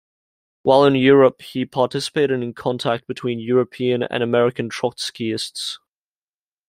While in Europe, he participated in contact between European and American Trotskyists.